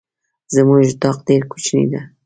زمونږ اطاق ډير کوچنی ده.